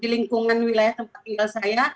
di lingkungan wilayah tempat tinggal saya